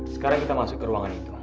sekarang kita masuk ke ruangan itu